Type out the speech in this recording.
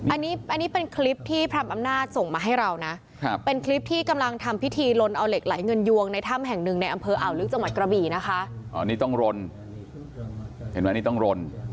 อันนี้อันนี้เป็นคลิปที่พรามอำนาจส่งมาให้เรานะครับเป็นคลิปที่กำลังทำพิธีรนเอาเหล็กไหลเงินยวงในถ้ำแห่งหนึ่งในอำเภออ่าวลึกจังหวัดกระบี่นะคะอ๋อนี่ต้องรนเห็นไหมนี่ต้องรน